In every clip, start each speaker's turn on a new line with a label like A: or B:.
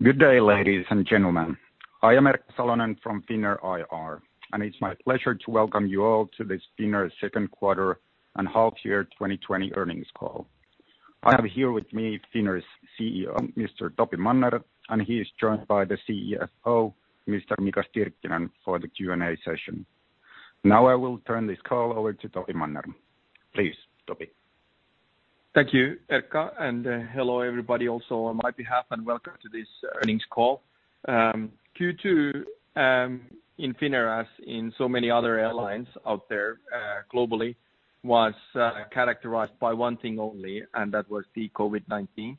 A: Good day, ladies and gentlemen. I am Erkka Salonen from Finnair IR, and it's my pleasure to welcome you all to this Finnair second quarter and half year 2020 earnings call. I have here with me Finnair's CEO, Mr. Topi Manner, and he is joined by the CFO, Mr. Mika Stirkkinen, for the Q&A session. Now I will turn this call over to Topi Manner. Please, Topi.
B: Thank you, Erkka, and hello everybody also on my behalf, and welcome to this earnings call. Q2 in Finnair, as in so many other airlines out there globally, was characterized by one thing only, and that was the COVID-19,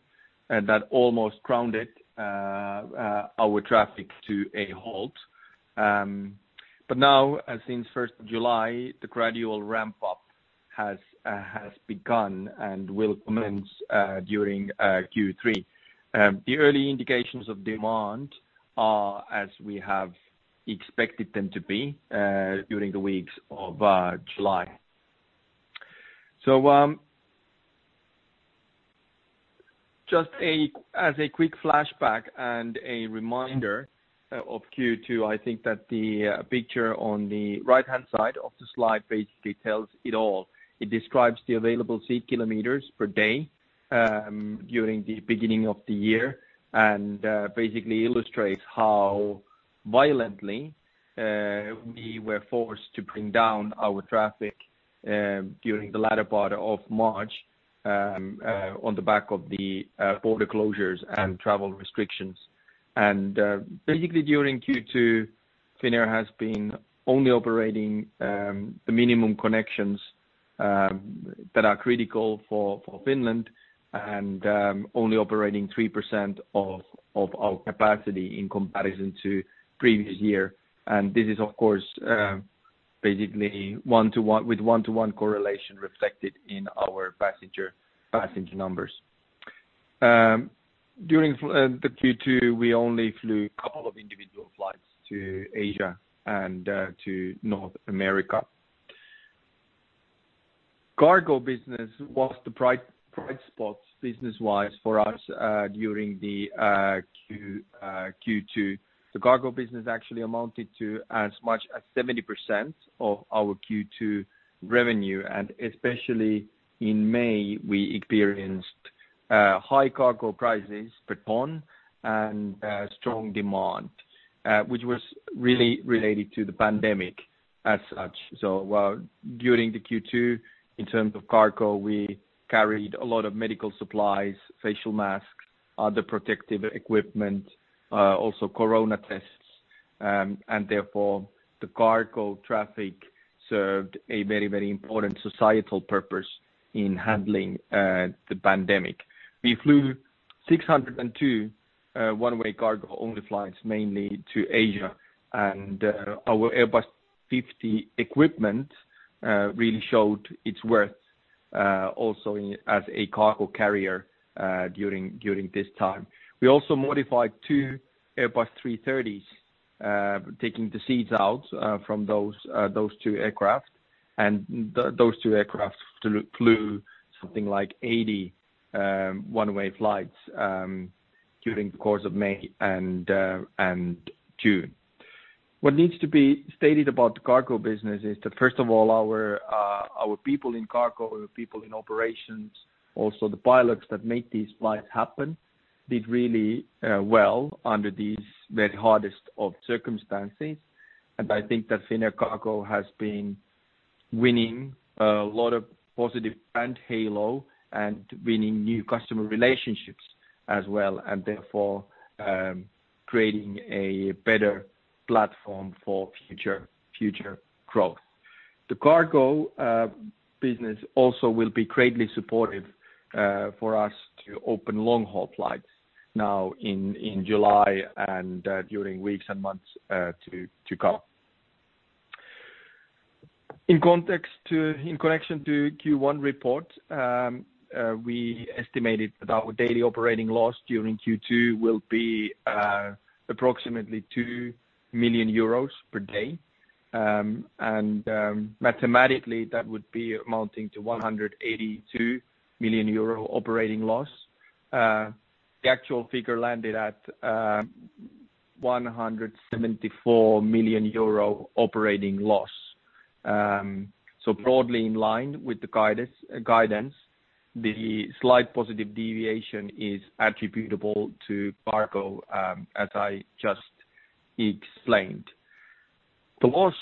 B: and that almost grounded our traffic to a halt. But now, since 1 July, the gradual ramp-up has begun and will commence during Q3. The early indications of demand are as we have expected them to be during the weeks of July. So just as a quick flashback and a reminder of Q2, I think that the picture on the right-hand side of the slide basically tells it all. It describes the available seat kilometers per day during the beginning of the year and basically illustrates how violently we were forced to bring down our traffic during the latter part of March on the back of the border closures and travel restrictions and basically during Q2, Finnair has been only operating the minimum connections that are critical for Finland and only operating 3% of our capacity in comparison to the previous year and this is, of course, basically with one-to-one correlation reflected in our passenger numbers. During the Q2, we only flew a couple of individual flights to Asia and to North America. Cargo business was the bright spot business-wise for us during the Q2. The cargo business actually amounted to as much as 70% of our Q2 revenue, and especially in May, we experienced high cargo prices per tonne and strong demand, which was really related to the pandemic as such. So during the Q2, in terms of cargo, we carried a lot of medical supplies, facial masks, other protective equipment, also corona tests, and therefore the cargo traffic served a very, very important societal purpose in handling the pandemic. We flew 602 one-way cargo only flights mainly to Asia, and our Airbus A350 equipment really showed its worth also as a cargo carrier during this time. We also modified two Airbus A330s, taking the seats out from those two aircraft, and those two aircraft flew something like 80 one-way flights during the course of May and June. What needs to be stated about the cargo business is that, first of all, our people in cargo, our people in operations, also the pilots that made these flights happen, did really well under these very hardest of circumstances. I think that Finnair Cargo has been winning a lot of positive brand halo and winning new customer relationships as well, and therefore creating a better platform for future growth. The cargo business also will be greatly supportive for us to open long-haul flights now in July and during weeks and months to come. In connection to Q1 report, we estimated that our daily operating loss during Q2 will be approximately EUR 2 million per day. Mathematically, that would be amounting to 182 million euro operating loss. The actual figure landed at 174 million euro operating loss. Broadly in line with the guidance, the slight positive deviation is attributable to cargo, as I just explained. The loss,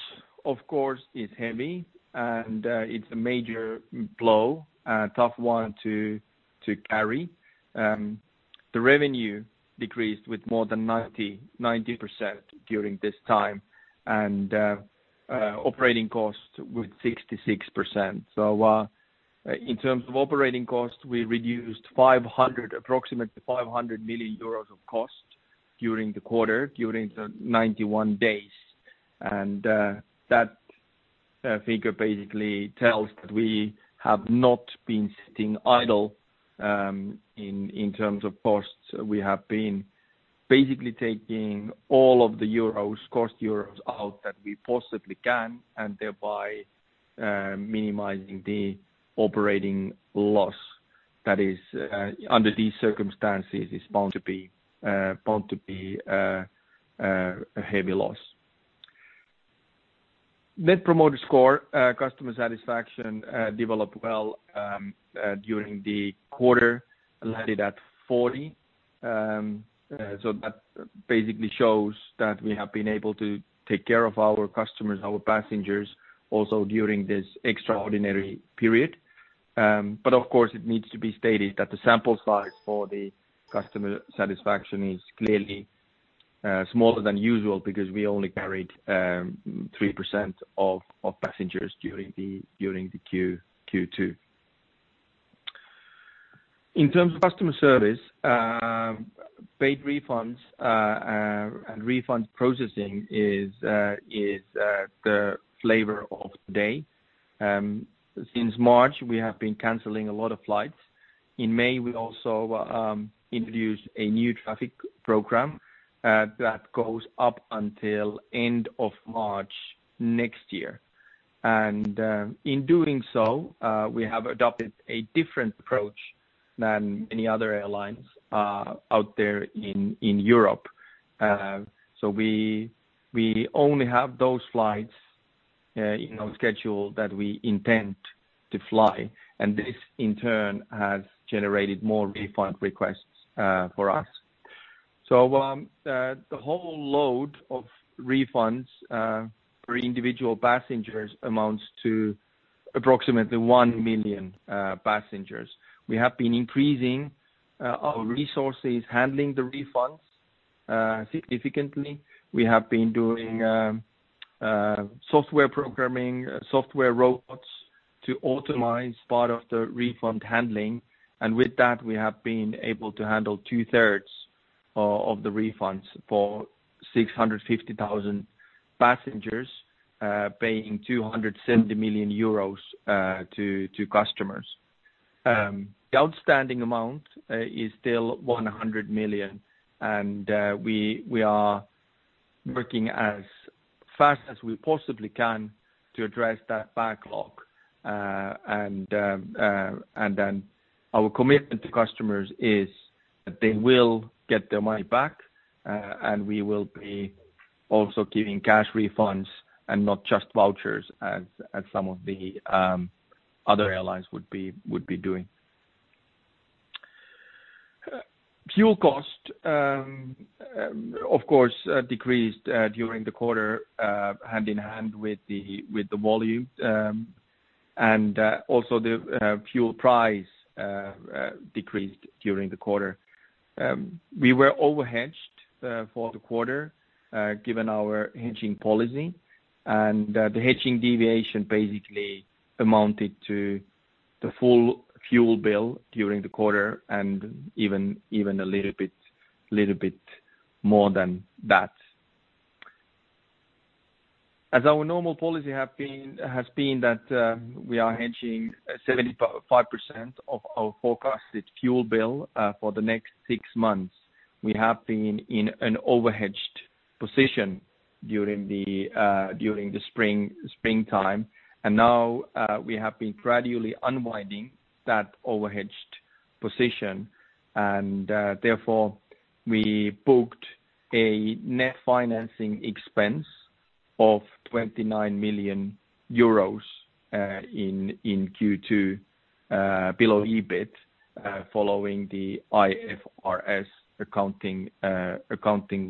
B: of course, is heavy, and it's a major blow, a tough one to carry. The revenue decreased with more than 90% during this time, and operating costs with 66%. In terms of operating costs, we reduced approximately 500 million euros of costs during the quarter, during the 91 days. That figure basically tells that we have not been sitting idle in terms of costs. We have been basically taking all of the cost euros out that we possibly can, and thereby minimizing the operating loss that is, under these circumstances, is bound to be a heavy loss. Net Promoter Score, customer satisfaction, developed well during the quarter, landed at 40. So that basically shows that we have been able to take care of our customers, our passengers, also during this extraordinary period. But of course, it needs to be stated that the sample size for the customer satisfaction is clearly smaller than usual because we only carried 3% of passengers during the Q2. In terms of customer service, paid refunds and refund processing is the flavor of the day. Since March, we have been canceling a lot of flights. In May, we also introduced a new traffic program that goes up until the end of March next year. And in doing so, we have adopted a different approach than many other airlines out there in Europe. So we only have those flights in our schedule that we intend to fly. And this, in turn, has generated more refund requests for us. The whole load of refunds for individual passengers amounts to approximately 1 million passengers. We have been increasing our resources handling the refunds significantly. We have been doing software programming, software robots to optimize part of the refund handling. And with that, we have been able to handle two-thirds of the refunds for 650,000 passengers, paying 270 million euros to customers. The outstanding amount is still 100 million, and we are working as fast as we possibly can to address that backlog. And then our commitment to customers is that they will get their money back, and we will be also giving cash refunds and not just vouchers, as some of the other airlines would be doing. Fuel costs, of course, decreased during the quarter hand in hand with the volume, and also the fuel price decreased during the quarter. We were overhedged for the quarter given our hedging policy, and the hedging deviation basically amounted to the full fuel bill during the quarter and even a little bit more than that. As our normal policy has been that we are hedging 75% of our forecasted fuel bill for the next six months. We have been in an overhedged position during the springtime, and now we have been gradually unwinding that overhedged position, and therefore we booked a net financing expense of 29 million euros in Q2 below EBIT following the IFRS accounting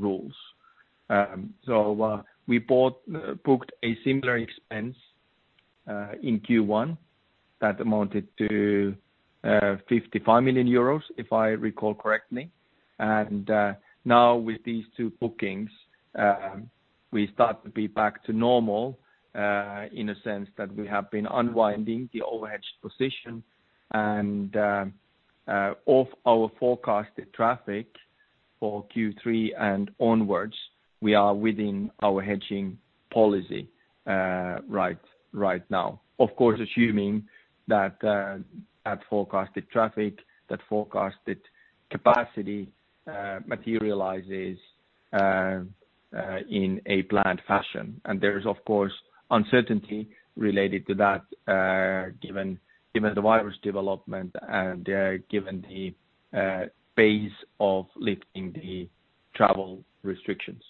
B: rules, so we booked a similar expense in Q1 that amounted to 55 million euros, if I recall correctly, and now, with these two bookings, we start to be back to normal in a sense that we have been unwinding the overhedged position. And of our forecasted traffic for Q3 and onwards, we are within our hedging policy right now, of course, assuming that that forecasted traffic, that forecasted capacity materializes in a planned fashion. And there's, of course, uncertainty related to that given the virus development and given the pace of lifting the travel restrictions.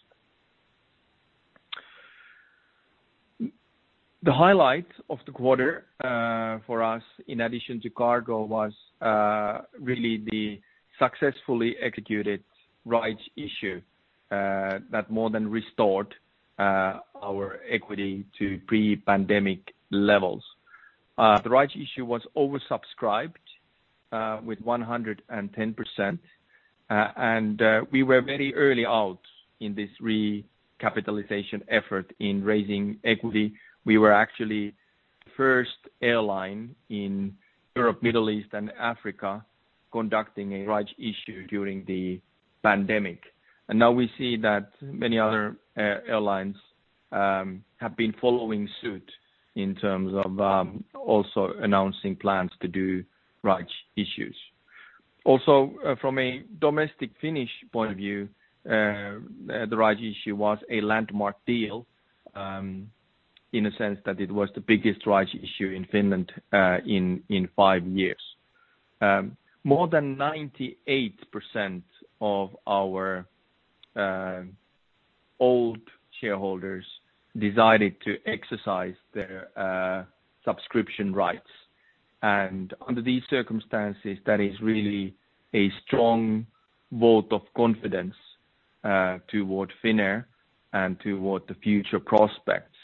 B: The highlight of the quarter for us, in addition to cargo, was really the successfully executed rights issue that more than restored our equity to pre-pandemic levels. The rights issue was oversubscribed with 110%, and we were very early out in this recapitalization effort in raising equity. We were actually the first airline in Europe, the Middle East, and Africa conducting a rights issue during the pandemic. And now we see that many other airlines have been following suit in terms of also announcing plans to do rights issues. Also, from a domestic-Finnish point of view, the rights issue was a landmark deal in a sense that it was the biggest rights issue in Finland in five years. More than 98% of our old shareholders decided to exercise their subscription rights. And under these circumstances, that is really a strong vote of confidence toward Finnair and toward the future prospects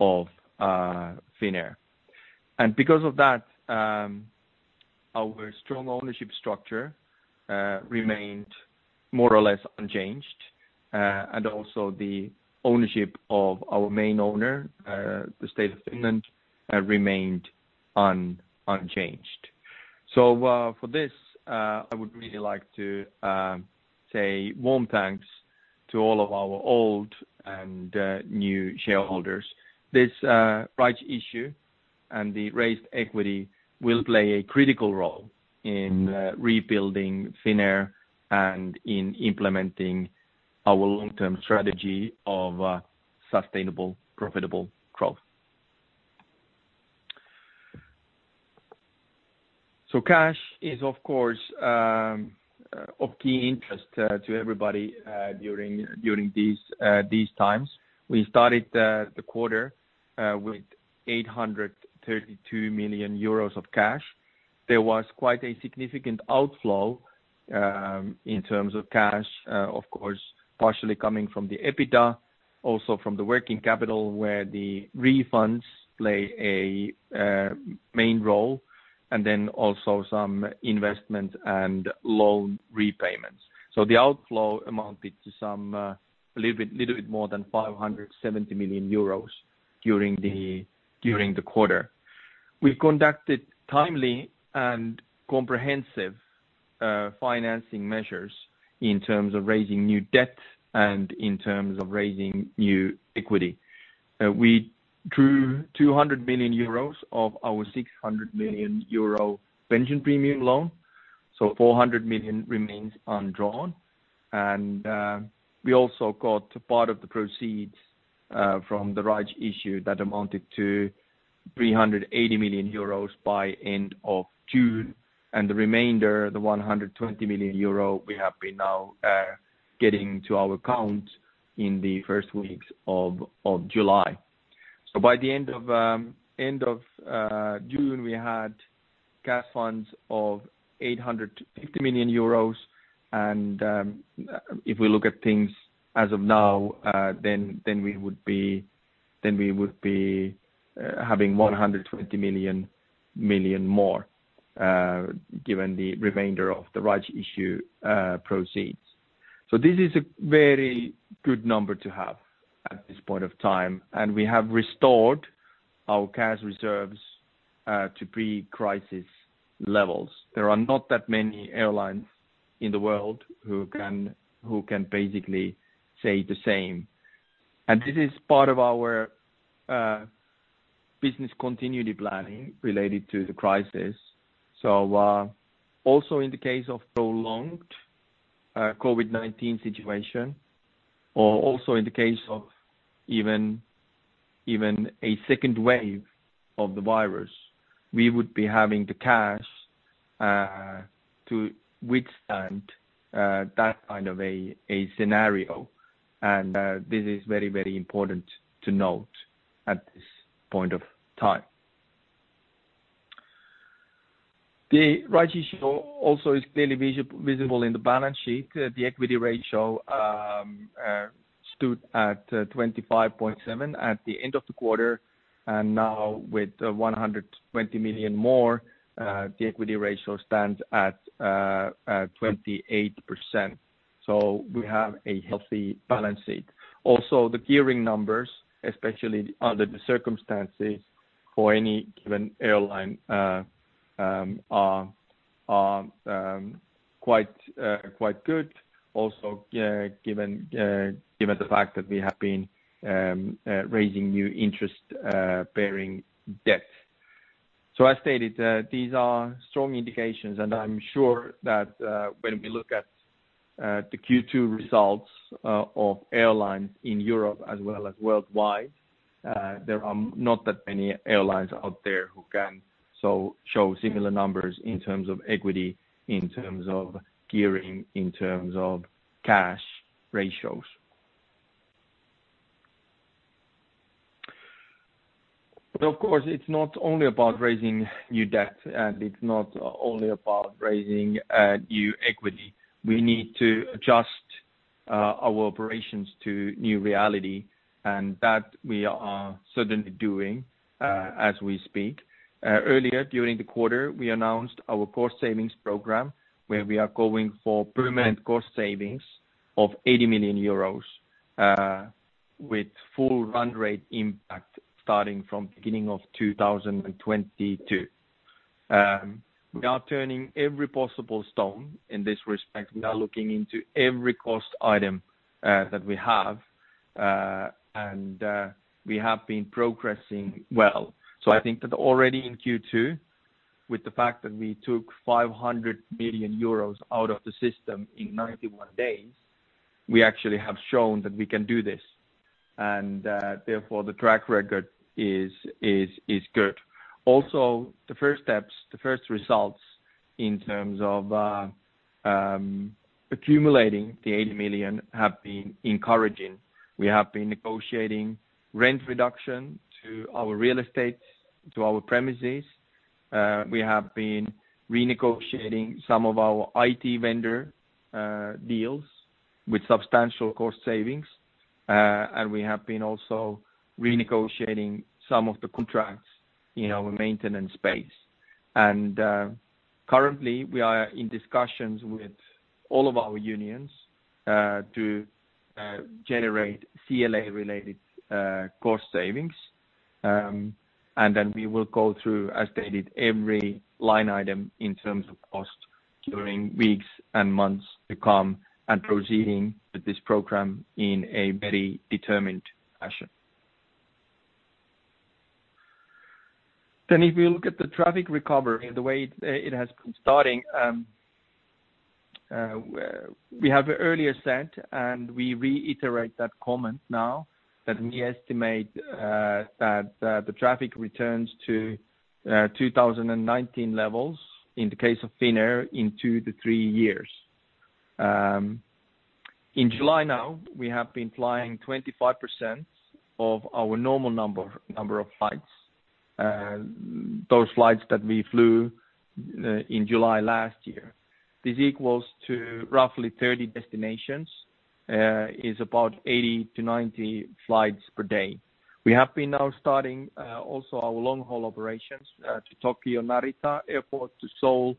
B: of Finnair. And because of that, our strong ownership structure remained more or less unchanged, and also the ownership of our main owner, the State of Finland, remained unchanged. So for this, I would really like to say warm thanks to all of our old and new shareholders. This rights issue and the raised equity will play a critical role in rebuilding Finnair and in implementing our long-term strategy of sustainable, profitable growth. So cash is, of course, of key interest to everybody during these times. We started the quarter with 832 million euros of cash. There was quite a significant outflow in terms of cash, of course, partially coming from the EBITDA, also from the working capital, where the refunds play a main role, and then also some investment and loan repayments. So the outflow amounted to a little bit more than 570 million euros during the quarter. We conducted timely and comprehensive financing measures in terms of raising new debt and in terms of raising new equity. We drew 200 million euros of our 600 million euro pension premium loan. So 400 million remains undrawn. And we also got part of the proceeds from the rights issue that amounted to 380 million euros by end of June. And the remainder, the 120 million euro, we have been now getting to our account in the first weeks of July. By the end of June, we had cash funds of 850 million euros. If we look at things as of now, then we would be having 120 million more given the remainder of the rights issue proceeds. This is a very good number to have at this point of time. We have restored our cash reserves to pre-crisis levels. There are not that many airlines in the world who can basically say the same. This is part of our business continuity planning related to the crisis. Also in the case of prolonged COVID-19 situation, or also in the case of even a second wave of the virus, we would be having the cash to withstand that kind of a scenario. This is very, very important to note at this point of time. The rights issue also is clearly visible in the balance sheet. The equity ratio stood at 25.7 at the end of the quarter. Now, with 120 million more, the equity ratio stands at 28%. We have a healthy balance sheet. Also, the gearing numbers, especially under the circumstances for any given airline, are quite good, also given the fact that we have been raising new interest-bearing debt. As stated, these are strong indications, and I'm sure that when we look at the Q2 results of airlines in Europe as well as worldwide, there are not that many airlines out there who can show similar numbers in terms of equity, in terms of gearing, in terms of cash ratios. Of course, it's not only about raising new debt, and it's not only about raising new equity. We need to adjust our operations to new reality, and that we are certainly doing as we speak. Earlier during the quarter, we announced our cost savings program, where we are going for permanent cost savings of 80 million euros with full run rate impact starting from the beginning of 2022. We are turning every possible stone in this respect. We are looking into every cost item that we have, and we have been progressing well. So I think that already in Q2, with the fact that we took 500 million euros out of the system in 91 days, we actually have shown that we can do this. And therefore, the track record is good. Also, the first steps, the first results in terms of accumulating the 80 million have been encouraging. We have been negotiating rent reduction to our real estate, to our premises. We have been renegotiating some of our IT vendor deals with substantial cost savings. We have been also renegotiating some of the contracts in our maintenance space. Currently, we are in discussions with all of our unions to generate CLA-related cost savings. We will go through, as stated, every line item in terms of cost during weeks and months to come and proceeding with this program in a very determined fashion. If we look at the traffic recovery and the way it has been starting, we have earlier said, and we reiterate that comment now, that we estimate that the traffic returns to 2019 levels in the case of Finnair in two to three years. In July now, we have been flying 25% of our normal number of flights, those flights that we flew in July last year. This equals to roughly 30 destinations, is about 80-90 flights per day. We have been now starting also our long-haul operations to Tokyo Narita Airport, to Seoul,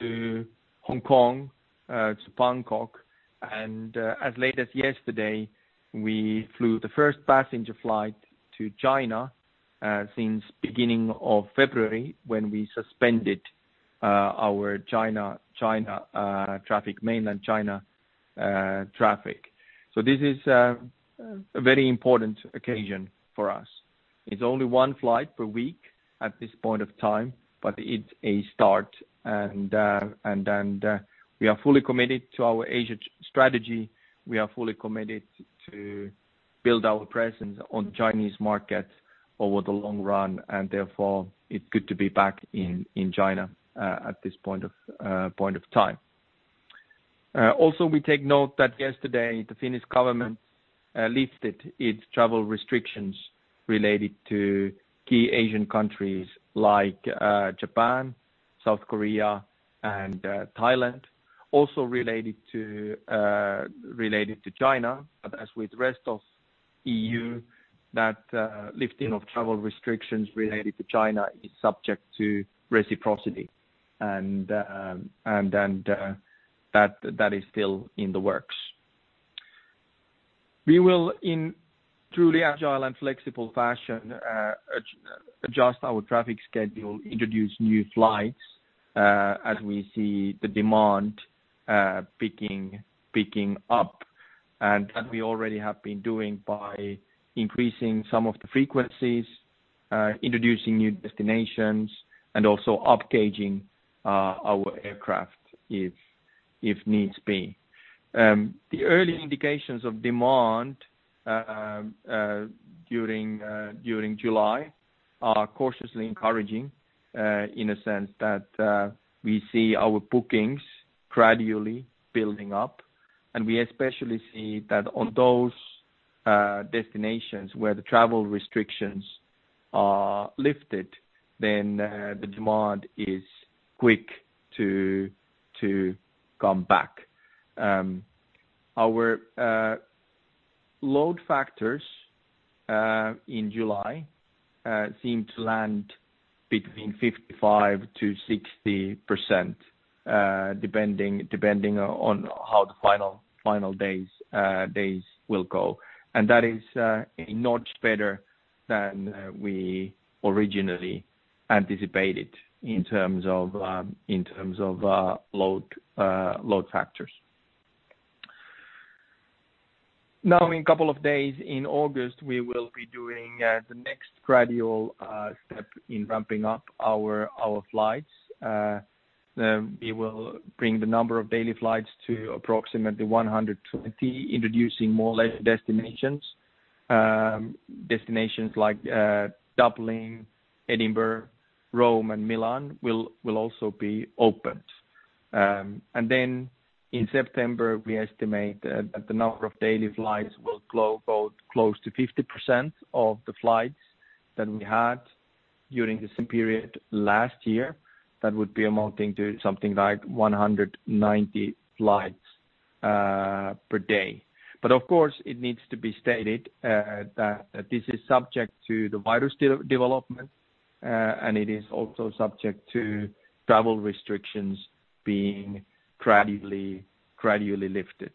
B: to Hong Kong, to Bangkok, and as late as yesterday, we flew the first passenger flight to China since the beginning of February when we suspended our Mainland China traffic, so this is a very important occasion for us. It's only one flight per week at this point of time, but it's a start, and we are fully committed to our Asia strategy. We are fully committed to build our presence on the Chinese market over the long run, and therefore, it's good to be back in China at this point of time. Also, we take note that yesterday, the Finnish government lifted its travel restrictions related to key Asian countries like Japan, South Korea, and Thailand, also related to China. But as with the rest of the EU, that lifting of travel restrictions related to China is subject to reciprocity. And that is still in the works. We will, in a truly agile and flexible fashion, adjust our traffic schedule, introduce new flights as we see the demand picking up. And that we already have been doing by increasing some of the frequencies, introducing new destinations, and also upgauging our aircraft if needs be. The early indications of demand during July are cautiously encouraging in a sense that we see our bookings gradually building up. And we especially see that on those destinations where the travel restrictions are lifted, then the demand is quick to come back. Our load factors in July seem to land between 55%-60%, depending on how the final days will go. And that is a notch better than we originally anticipated in terms of load factors. Now, in a couple of days in August, we will be doing the next gradual step in ramping up our flights. We will bring the number of daily flights to approximately 120, introducing more destinations like Dublin, Edinburgh, Rome, and Milan, will also be opened. And then in September, we estimate that the number of daily flights will grow close to 50% of the flights that we had during the same period last year. That would be amounting to something like 190 flights per day. But of course, it needs to be stated that this is subject to the virus development, and it is also subject to travel restrictions being gradually lifted.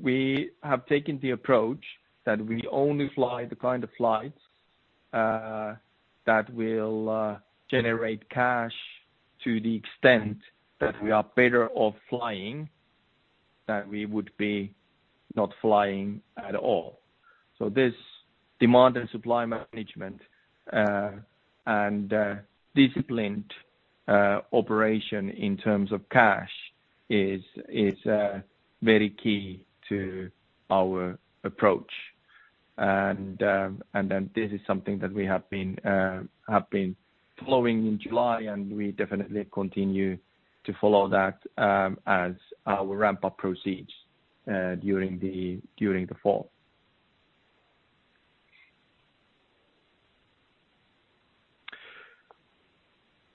B: We have taken the approach that we only fly the kind of flights that will generate cash to the extent that we are better off flying than we would be not flying at all, so this demand and supply management and disciplined operation in terms of cash is very key to our approach, and then this is something that we have been following in July, and we definitely continue to follow that as our ramp-up proceeds during the fall.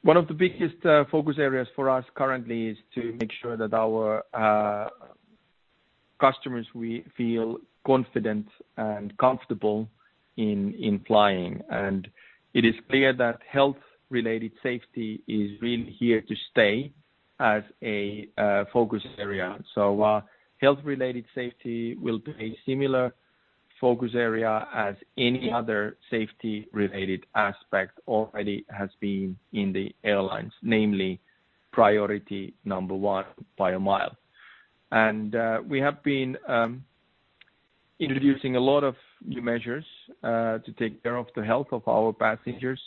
B: One of the biggest focus areas for us currently is to make sure that our customers feel confident and comfortable in flying, and it is clear that health-related safety is really here to stay as a focus area, so health-related safety will be a similar focus area as any other safety-related aspect already has been in the airlines, namely priority number one by a mile. And we have been introducing a lot of new measures to take care of the health of our passengers.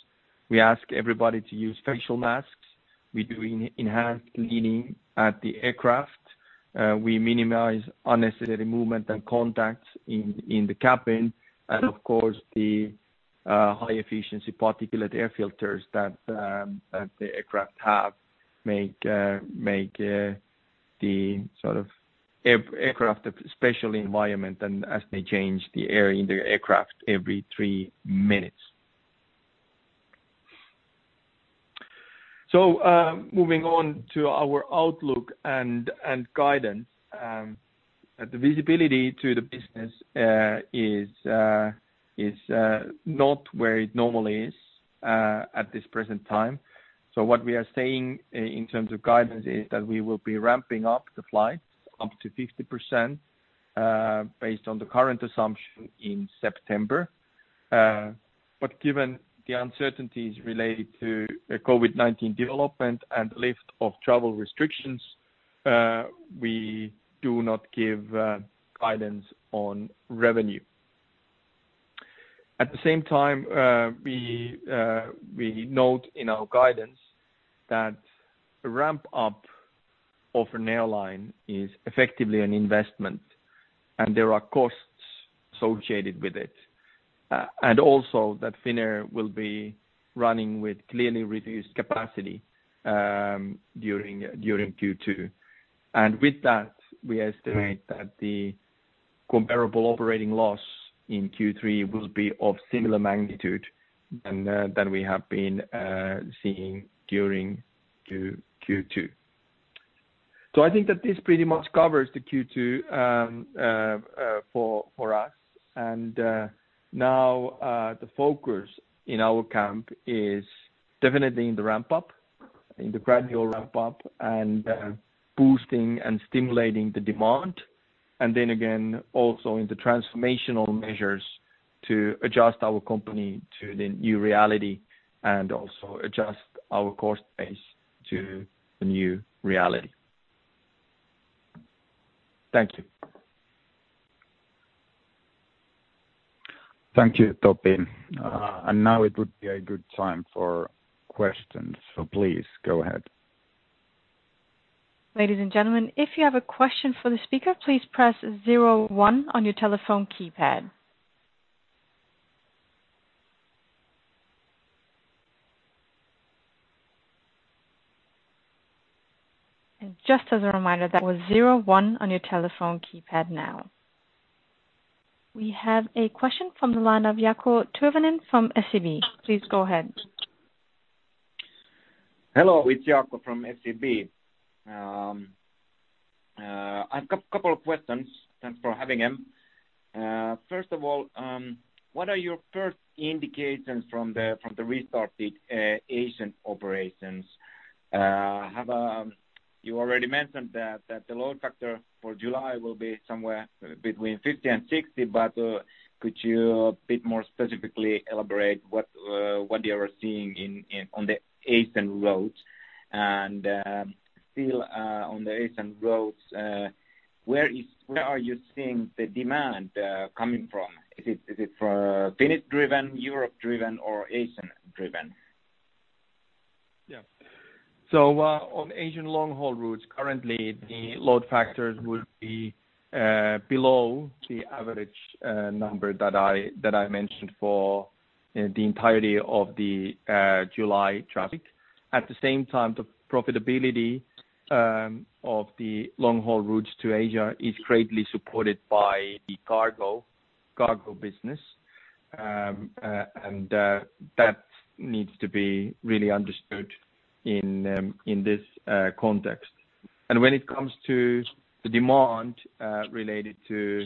B: We ask everybody to use facial masks. We do enhanced cleaning at the aircraft. We minimize unnecessary movement and contact in the cabin. And of course, the high-efficiency particulate air filters that the aircraft have make the sort of aircraft a special environment as they change the air in the aircraft every three minutes. So moving on to our outlook and guidance, the visibility to the business is not where it normally is at this present time. So what we are saying in terms of guidance is that we will be ramping up the flights up to 50% based on the current assumption in September. But given the uncertainties related to COVID-19 development and the lift of travel restrictions, we do not give guidance on revenue. At the same time, we note in our guidance that a ramp-up of an airline is effectively an investment, and there are costs associated with it. And also that Finnair will be running with clearly reduced capacity during Q2. And with that, we estimate that the comparable operating loss in Q3 will be of similar magnitude than we have been seeing during Q2. So I think that this pretty much covers the Q2 for us. And now the focus in our camp is definitely in the ramp-up, in the gradual ramp-up, and boosting and stimulating the demand. And then again, also in the transformational measures to adjust our company to the new reality and also adjust our cost base to the new reality. Thank you.
A: Thank you, Topi. And now it would be a good time for questions. So please go ahead.
C: Ladies and gentlemen, if you have a question for the speaker, please press zero one on your telephone keypad. And just as a reminder, that was zero one on your telephone keypad now. We have a question from the line of Jaakko Tyrväinen from SEB. Please go ahead.
D: Hello, it's Jaakko from SEB. I've got a couple of questions. Thanks for having him. First of all, what are your first indications from the restarted Asian operations? You already mentioned that the load factor for July will be somewhere between 50% and 60%, but could you a bit more specifically elaborate what you are seeing on the Asian routes? And still on the Asian routes, where are you seeing the demand coming from? Is it from Finnish-driven, Europe-driven, or Asian-driven?
B: Yeah. On Asian long-haul routes, currently, the load factors would be below the average number that I mentioned for the entirety of the July traffic. At the same time, the profitability of the long-haul routes to Asia is greatly supported by the cargo business, and that needs to be really understood in this context, and when it comes to the demand related to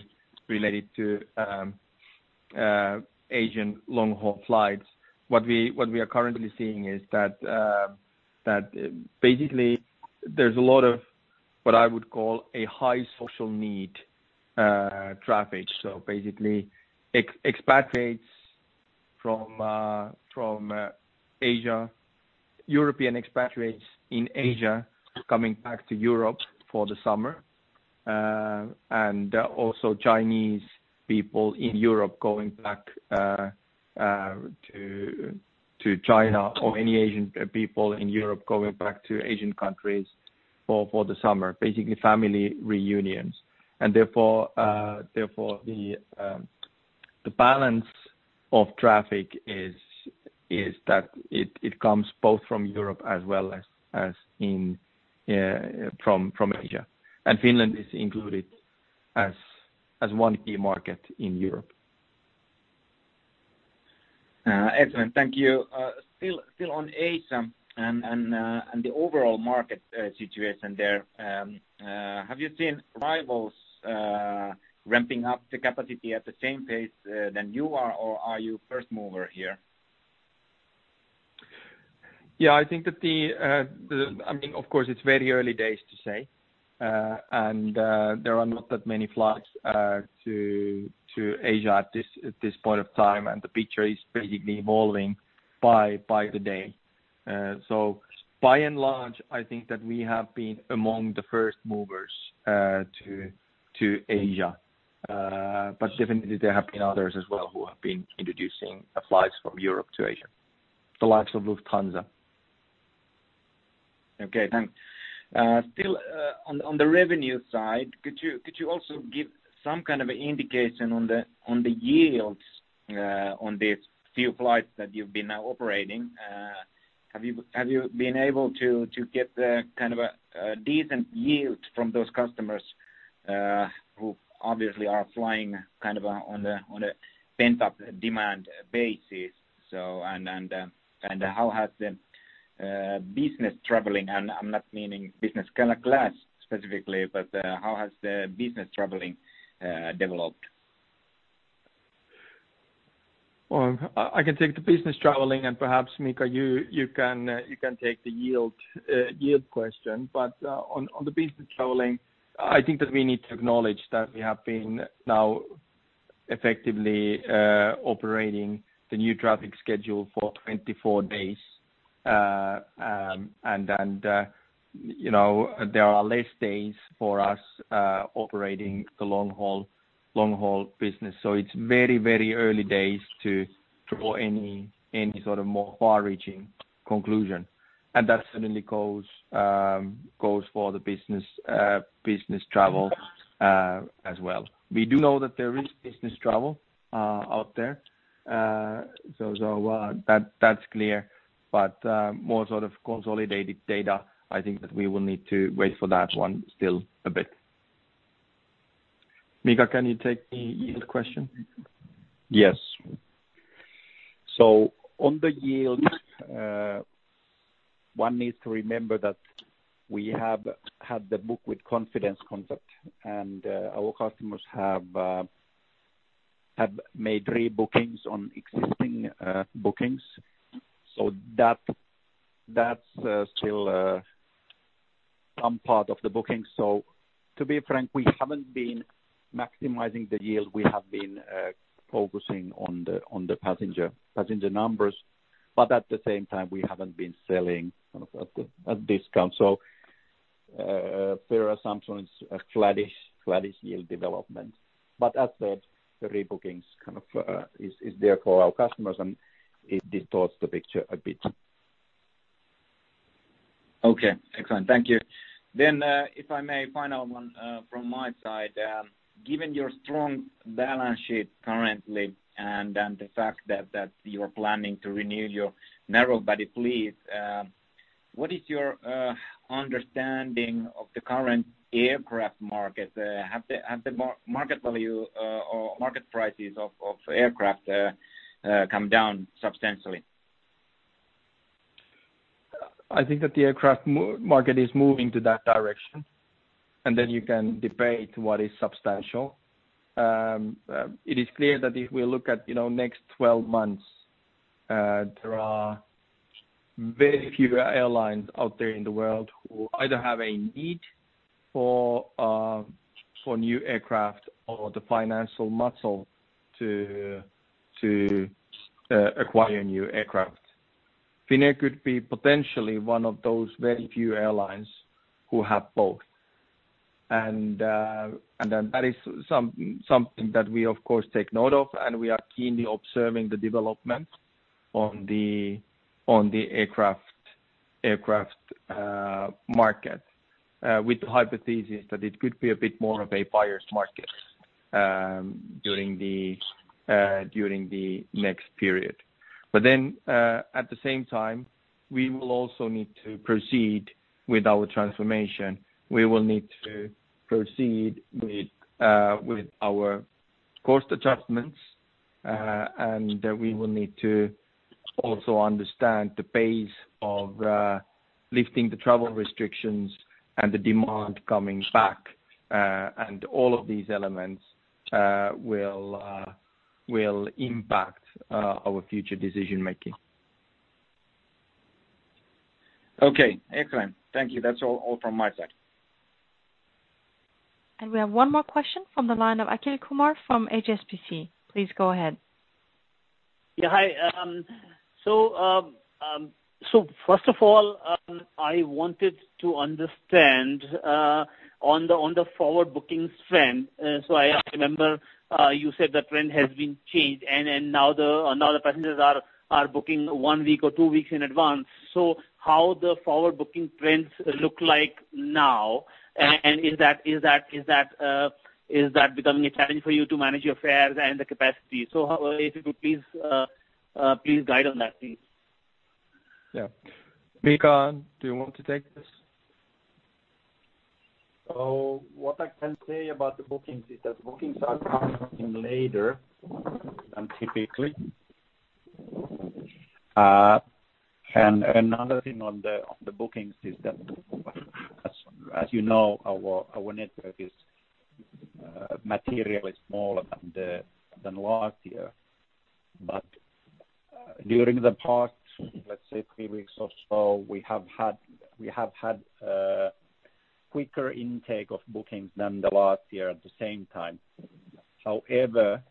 B: Asian long-haul flights, what we are currently seeing is that basically, there's a lot of what I would call a high social need traffic. So basically, expatriates from Asia, European expatriates in Asia coming back to Europe for the summer, and also Chinese people in Europe going back to China or any Asian people in Europe going back to Asian countries for the summer, basically family reunions. And therefore, the balance of traffic is that it comes both from Europe as well as from Asia. Finland is included as one key market in Europe.
D: Excellent. Thank you. Still on Asia and the overall market situation there, have you seen rivals ramping up the capacity at the same pace than you are, or are you first mover here?
B: Yeah, I think that. I mean, of course, it's very early days to say. There are not that many flights to Asia at this point of time, and the picture is basically evolving by the day. By and large, I think that we have been among the first movers to Asia. Definitely, there have been others as well who have been introducing flights from Europe to Asia, the likes of Lufthansa.
D: Okay. Still on the revenue side, could you also give some kind of an indication on the yields on these few flights that you've been now operating? Have you been able to get kind of a decent yield from those customers who obviously are flying kind of on a pent-up demand basis? And how has the business traveling—and I'm not meaning business class specifically—but how has the business traveling developed?
B: Well, I can take the business traveling, and perhaps, Mika, you can take the yield question. But on the business traveling, I think that we need to acknowledge that we have been now effectively operating the new traffic schedule for 24 days. And there are less days for us operating the long-haul business. So it's very, very early days to draw any sort of more far-reaching conclusion. And that certainly goes for the business travel as well. We do know that there is business travel out there. So that's clear. But more sort of consolidated data, I think that we will need to wait for that one still a bit. Mika, can you take the yield question?
E: Yes. So on the yield, one needs to remember that we have had the Book with Confidence concept, and our customers have made rebookings on existing bookings. So that's still some part of the booking. So to be frank, we haven't been maximizing the yield. We have been focusing on the passenger numbers. But at the same time, we haven't been selling at discount. So fair assumption is a flattish yield development. But as said, the rebookings kind of is there for our customers. And this distorts the picture a bit.
D: Okay. Excellent. Thank you. Then if I may, final one from my side. Given your strong balance sheet currently and the fact that you're planning to renew your narrow-body fleet, what is your understanding of the current aircraft market? Have the market value or market prices of aircraft come down substantially?
B: I think that the aircraft market is moving to that direction. And then you can debate what is substantial. It is clear that if we look at next 12 months, there are very few airlines out there in the world who either have a need for new aircraft or the financial muscle to acquire new aircraft. Finnair could be potentially one of those very few airlines who have both. And then that is something that we, of course, take note of, and we are keenly observing the development on the aircraft market with the hypothesis that it could be a bit more of a buyer's market during the next period. But then at the same time, we will also need to proceed with our transformation. We will need to proceed with our cost adjustments, and we will need to also understand the pace of lifting the travel restrictions and the demand coming back. And all of these elements will impact our future decision-making.
D: Okay. Excellent. Thank you. That's all from my side.
C: And we have one more question from the line of Achal Kumar from HSBC. Please go ahead.
F: Yeah. Hi. So first of all, I wanted to understand on the forward bookings trend. So I remember you said the trend has been changed, and now the passengers are booking one week or two weeks in advance. So how do the forward booking trends look like now? And is that becoming a challenge for you to manage your fares and the capacity? So if you could please guide on that, please.
B: Yeah. Mika, do you want to take this?
E: So what I can say about the bookings is that bookings are coming in later than typically. And another thing on the bookings is that, as you know, our network is materially smaller than last year. But during the past, let's say, three weeks or so, we have had quicker intake of bookings than last year at the same time. However,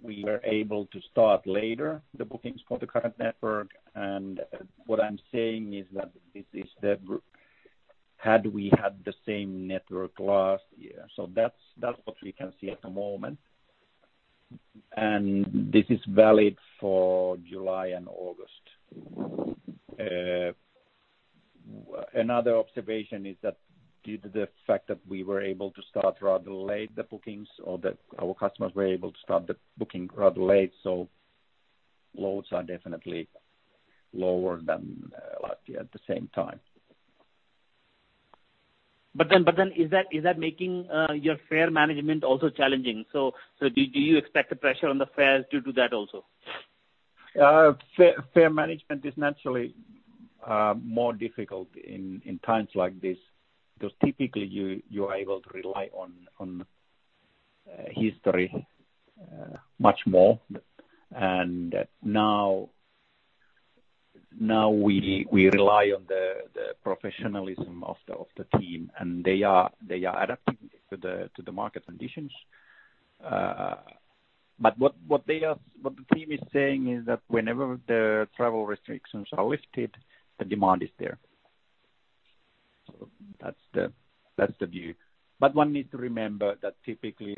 E: we were able to start the bookings later for the current network. And what I'm saying is that this is what we had if we had the same network last year. So that's what we can see at the moment. And this is valid for July and August. Another observation is that due to the fact that we were able to start rather late the bookings or that our customers were able to start the booking rather late, so loads are definitely lower than last year at the same time.
F: But then is that making your fare management also challenging? So do you expect the pressure on the fares due to that also?
B: Fare management is naturally more difficult in times like this. Because typically, you are able to rely on history much more. And now we rely on the professionalism of the team, and they are adapting to the market conditions. But what the team is saying is that whenever the travel restrictions are lifted, the demand is there. So that's the view. But one needs to remember that typically,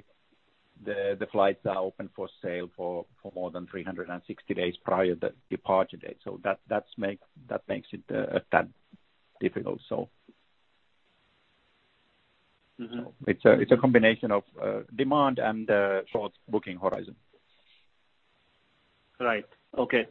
B: the flights are open for sale for more than 360 days prior to departure day. So that makes it that difficult, so. It's a combination of demand and short booking horizon.
F: Right. Okay.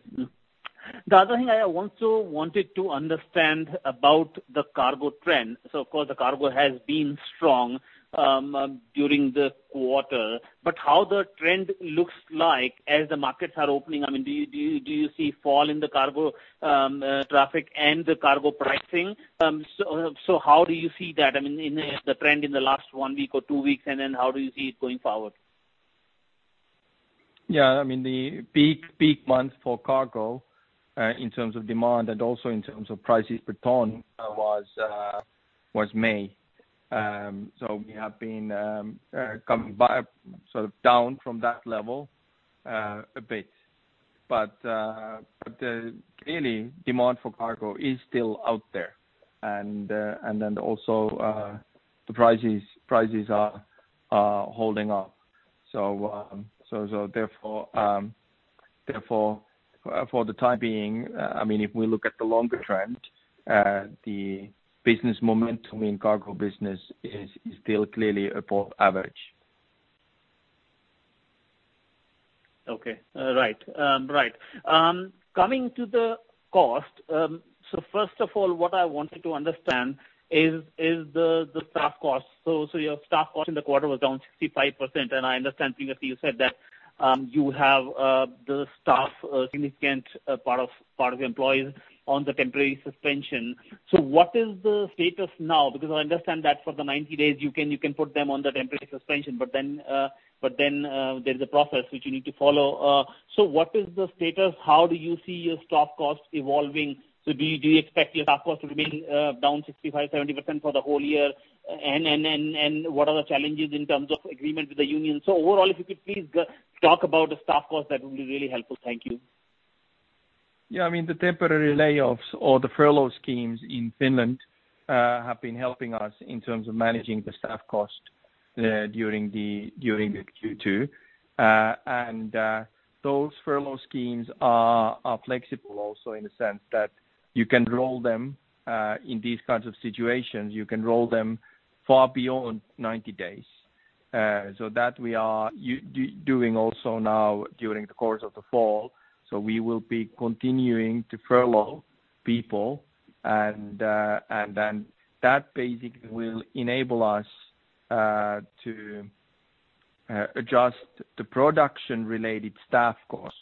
F: The other thing I wanted to understand about the cargo trend. So of course, the cargo has been strong during the quarter. But how the trend looks like as the markets are opening? I mean, do you see fall in the cargo traffic and the cargo pricing? So how do you see that? I mean, the trend in the last one week or two weeks, and then how do you see it going forward?
B: Yeah. I mean, the peak month for cargo in terms of demand and also in terms of prices per ton was May. So we have been coming sort of down from that level a bit. But clearly, demand for cargo is still out there. And then also, the prices are holding up. So therefore, for the time being, I mean, if we look at the longer trend, the business momentum in cargo business is still clearly above average.
F: Okay. Right. Right. Coming to the cost, so first of all, what I wanted to understand is the staff cost. So your staff cost in the quarter was down 65%. And I understand previously you said that you have the staff, significant part of employees on the temporary suspension. So what is the status now? Because I understand that for the 90 days, you can put them on the temporary suspension, but then there's a process which you need to follow. So what is the status? How do you see your staff cost evolving? So do you expect your staff cost to remain down 65%-70% for the whole year? And what are the challenges in terms of agreement with the union? So overall, if you could please talk about the staff cost, that would be really helpful. Thank you.
B: Yeah. I mean, the temporary layoffs or the furlough schemes in Finland have been helping us in terms of managing the staff cost during the Q2. And those furlough schemes are flexible also in the sense that you can roll them in these kinds of situations. You can roll them far beyond 90 days. So that we are doing also now during the course of the fall. So we will be continuing to furlough people. And then that basically will enable us to adjust the production-related staff cost.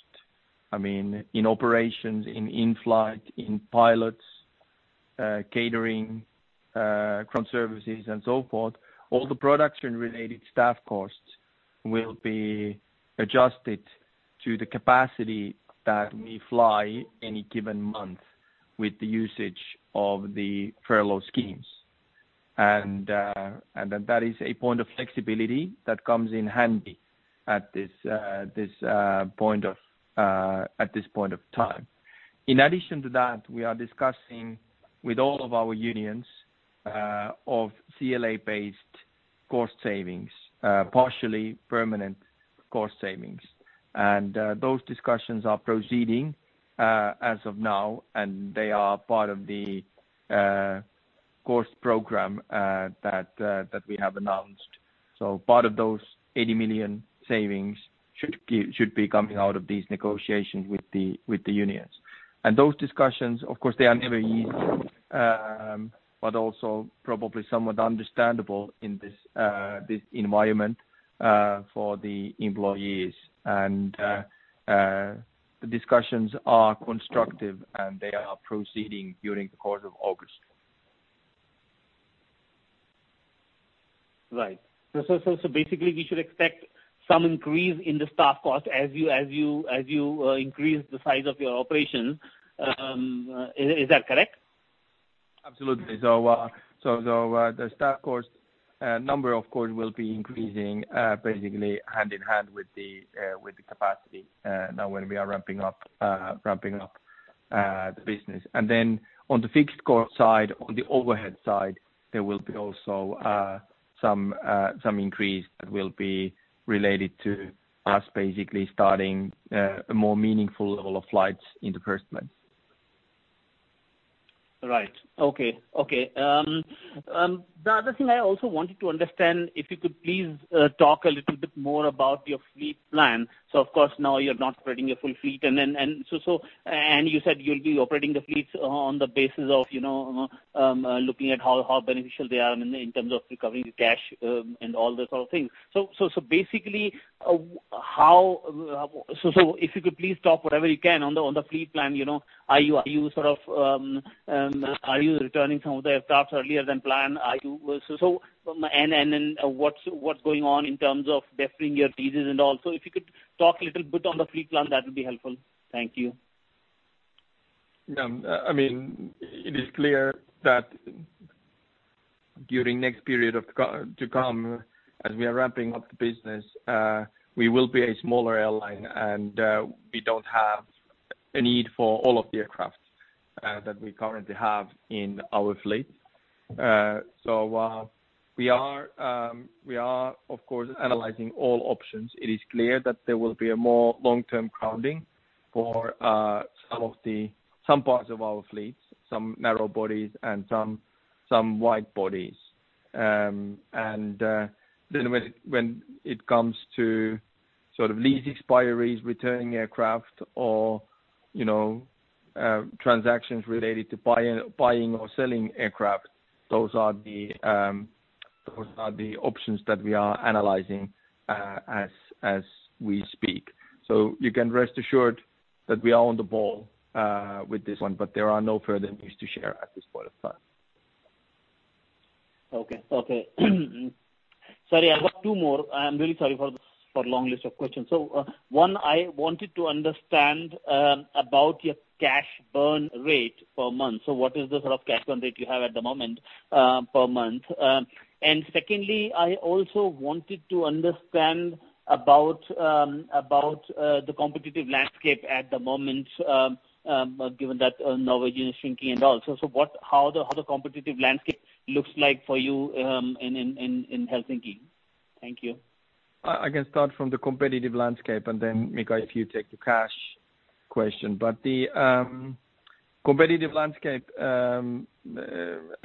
B: I mean, in operations, in flight, in pilots, catering, ground services, and so forth, all the production-related staff costs will be adjusted to the capacity that we fly any given month with the usage of the furlough schemes. That is a point of flexibility that comes in handy at this point of time. In addition to that, we are discussing with all of our unions of CLA-based cost savings, partially permanent cost savings. Those discussions are proceeding as of now, and they are part of the cost program that we have announced. So part of those 80 million savings should be coming out of these negotiations with the unions. Those discussions, of course, they are never easy, but also probably somewhat understandable in this environment for the employees. The discussions are constructive, and they are proceeding during the course of August.
F: Right. So basically, we should expect some increase in the staff cost as you increase the size of your operation. Is that correct?
B: Absolutely. So the staff cost number, of course, will be increasing basically hand in hand with the capacity now when we are ramping up the business. And then on the fixed cost side, on the overhead side, there will be also some increase that will be related to us basically starting a more meaningful level of flights in the first place.
F: Right. Okay. Okay. The other thing I also wanted to understand, if you could please talk a little bit more about your fleet plan. So of course, now you're not operating your full fleet. And you said you'll be operating the fleets on the basis of looking at how beneficial they are in terms of recovering the cash and all those sort of things. So basically, if you could please talk whatever you can on the fleet plan, are you sort of returning some of the aircraft earlier than planned? So what's going on in terms of deferring your leases and all? So if you could talk a little bit on the fleet plan, that would be helpful. Thank you.
B: Yeah. I mean, it is clear that during the next period to come, as we are ramping up the business, we will be a smaller airline, and we don't have a need for all of the aircraft that we currently have in our fleet. So we are, of course, analyzing all options. It is clear that there will be a more long-term grounding for some parts of our fleets, some narrow bodies, and some wide bodies. And then when it comes to sort of lease expiries, returning aircraft, or transactions related to buying or selling aircraft, those are the options that we are analyzing as we speak. So you can rest assured that we are on the ball with this one, but there are no further news to share at this point of time.
F: Okay. Okay. Sorry, I have two more. I'm really sorry for the long list of questions. So one, I wanted to understand about your cash burn rate per month. So what is the sort of cash burn rate you have at the moment per month? And secondly, I also wanted to understand about the competitive landscape at the moment, given that Norwegian is shrinking and all. So how the competitive landscape looks like for you in Helsinki? Thank you.
B: I can start from the competitive landscape, and then Mika, if you take the cash question, but the competitive landscape, I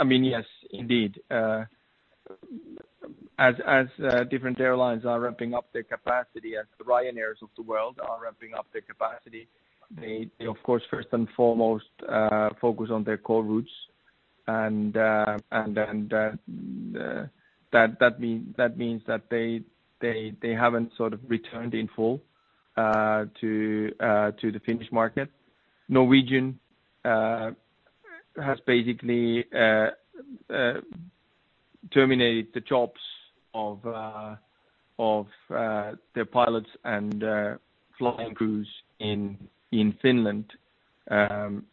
B: mean, yes, indeed. As different airlines are ramping up their capacity, as the Ryanairs of the world are ramping up their capacity, they, of course, first and foremost, focus on their core routes, and then that means that they haven't sort of returned in full to the Finnish market. Norwegian has basically terminated the jobs of their pilots and flying crews in Finland,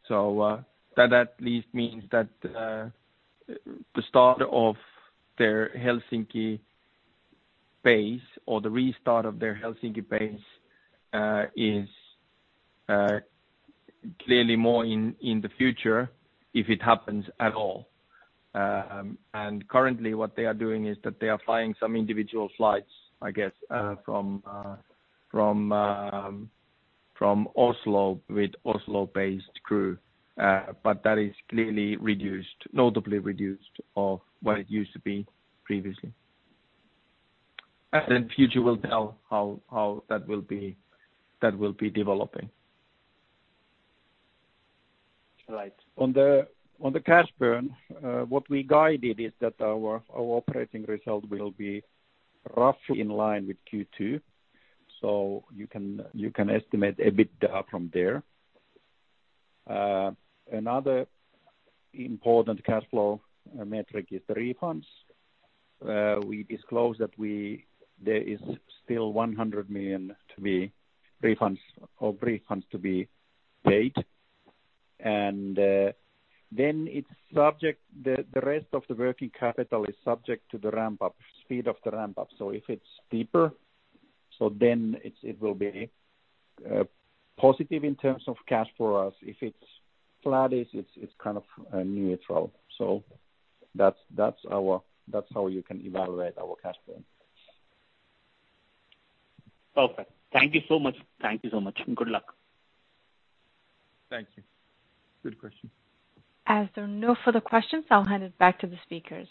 B: so that at least means that the start of their Helsinki base or the restart of their Helsinki base is clearly more in the future if it happens at all, and currently, what they are doing is that they are flying some individual flights, I guess, from Oslo with Oslo-based crew, but that is clearly reduced, notably reduced of what it used to be previously. And then the future will tell how that will be developing.
E: Right. On the cash burn, what we guided is that our operating result will be roughly in line with Q2. So you can estimate a bit from there. Another important cash flow metric is the refunds. We disclosed that there is still 100 million to be refunds or refunds to be paid. And then the rest of the working capital is subject to the ramp-up, speed of the ramp-up. So if it's deeper, so then it will be positive in terms of cash for us. If it's flat, it's kind of neutral. So that's how you can evaluate our cash burn.
F: Okay. Thank you so much. Thank you so much. Good luck.
E: Thank you.
B: Good question.
C: As there are no further questions, I'll hand it back to the speakers.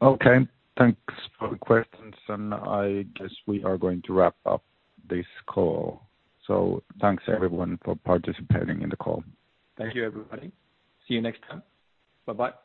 B: Okay. Thanks for the questions. I guess we are going to wrap up this call. Thanks everyone for participating in the call.
A: Thank you, everybody. See you next time. Bye-bye.